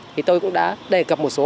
thì tôi cũng đã đề cập một số